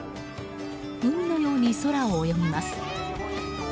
海のように空を泳ぎます。